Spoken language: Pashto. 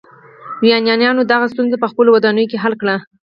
یونانیانو دغه ستونزه په خپلو ودانیو کې حل کړه.